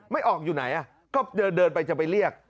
ไม่ออกอยู่ไหนก็เดินไปจะไปเรียก